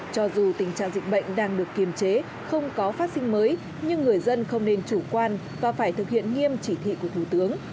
cho dù tình trạng dịch bệnh đang được kiềm chế không có phát sinh mới nhưng người dân không nên chủ quan và phải thực hiện nghiêm chỉ thị của thủ tướng